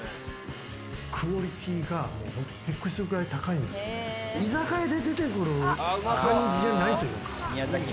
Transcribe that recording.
クオリティーがびっくりするくらい高いんですよね、居酒屋で出てくる感じじゃないというか。